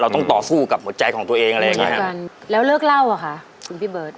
เราต้องต่อสู้กับหัวใจของตัวเองอะไรอย่างเงี้ยแล้วเลิกเล่าหรอคะคุณพี่เบิร์ต